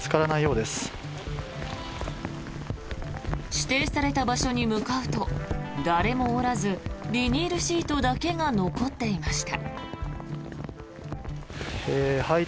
指定された場所に向かうと誰もおらずビニールシートだけが残っていました。